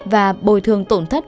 và bồi thường tổn thất